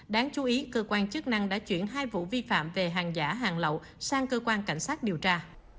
đáng chú ý cơ quan chức năng đã chuyển hai vụ vi phạm về hàng giả hàng lậu sang cơ quan cảnh sát điều tra